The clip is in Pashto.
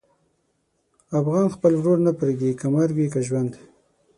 افغان خپل ورور نه پرېږدي، که مرګ وي که ژوند.